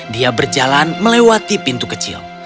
dia berjalan melewati pintu kecil